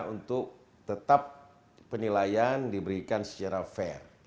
untuk tetap penilaian diberikan secara fair